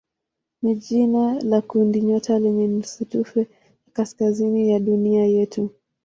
ni jina la kundinyota kwenye nusutufe ya kaskazini ya dunia yetu.